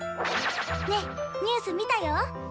⁉ねニュース見たよ！え？